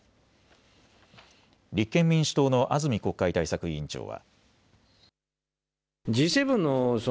立憲民主党の安住国会対策委員長は。